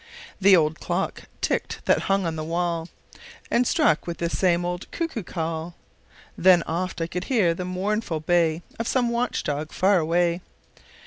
The old clock ticked that hung on the wall And struck 'th the same old cuckoo call; Then oft I could hear the mournful bay Of some watch dog far away.